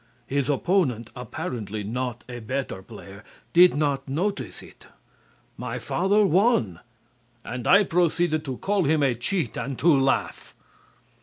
His opponent, apparently not a better player, did not notice it. My father won, and I proceeded to call him a cheat and to laugh."